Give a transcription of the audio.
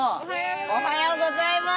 おはようございます。